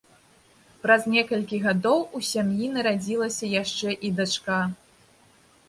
Праз некалькі гадоў у сям'і нарадзілася яшчэ і дачка.